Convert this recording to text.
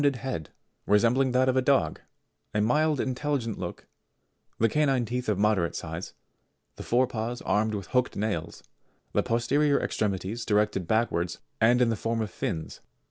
have a round head resembling that of a dog, a mild intelligent look, the canine teeth of moderate size, the fore paws armed with hooked nails, the posterior extremities directed backwards and in the form of fins.